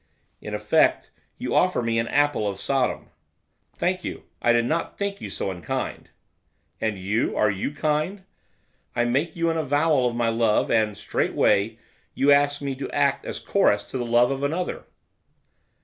'In effect, you offer me an Apple of Sodom.' 'Thank you; I did not think you so unkind.' 'And you, are you kind? I make you an avowal of my love, and, straightway, you ask me to act as chorus to the love of another.